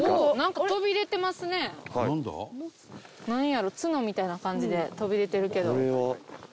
なんやろう？角みたいな感じで飛び出てるけど。